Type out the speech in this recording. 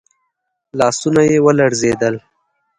لاسونه يې ولړزېدل.